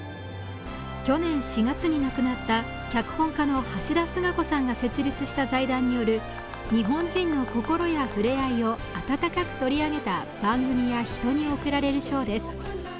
去年４月に亡くなった脚本家の橋田壽賀子さんが設立した財団による日本人の心やふれあいを温かく取り上げた番組や人に贈られる賞です。